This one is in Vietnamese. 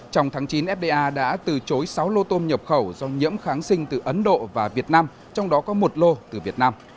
trong tháng chín fda đã từ chối sáu lô tôm nhập khẩu do nhiễm kháng sinh từ ấn độ và việt nam trong đó có một lô từ việt nam